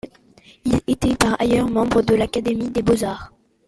Il était par ailleurs membre de l'Académie des beaux-arts.